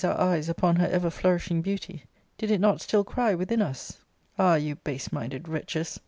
] eyes upon her ever flourishing beautyydid it not still ry Nviihm us: *Ah, you base minded wretches!